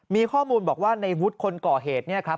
มีข้อมูลบอกว่าในวุฒิคนก่อเหตุเนี่ยครับ